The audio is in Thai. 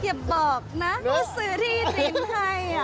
อย่าบอกนะซื้อที่ดินให้